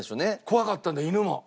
怖かったんだよ犬も。